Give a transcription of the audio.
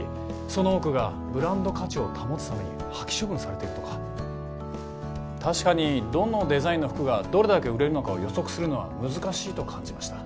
その多くがブランド価値を保つために破棄処分されているとか確かにどのデザインの服がどれだけ売れるのかを予測するのは難しいと感じました